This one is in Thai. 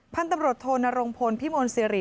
พันธ์ตำรวจโธนรงพลพิมโอนซีรี